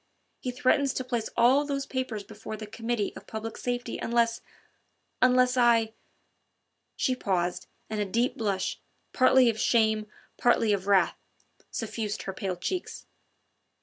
He threatens to place all those papers before the Committee of Public Safety unless ... unless I...." She paused, and a deep blush, partly of shame, partly of wrath, suffused her pale cheeks.